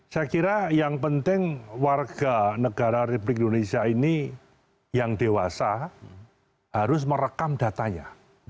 saya kira yang penting warga negara republik indonesia ini yang dewasa harus merekam datanya